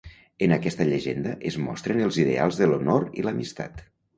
En aquesta llegenda es mostren els ideals de l'honor i l'amistat.